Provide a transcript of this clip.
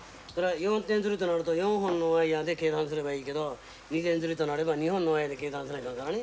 ４点づりとなると４本のワイヤーで計算すればいいけど２点づりとなれば２本のワイヤーで計算せないかんからね。